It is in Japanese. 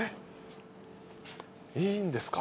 いいんですか？